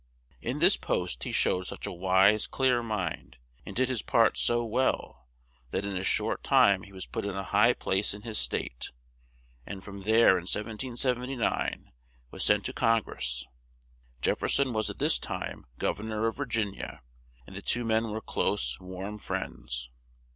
In this post he showed such a wise, clear mind and did his part so well that in a short time he was put in a high place in his State, and from there in 1779 was sent to Con gress. Jef fer son was at this time Gov ern or of Vir gin i a, and the two men were close, warm friends.